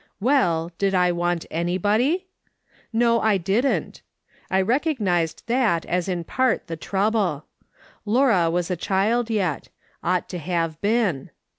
Well, did I want anybody ? No, I didn't. I recognised that, as in part, the trouble. Laura was a child yet ; ought to have been.